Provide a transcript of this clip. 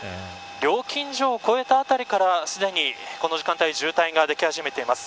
料金所を越えた辺りからすでに、この時間帯渋滞ができ始めています。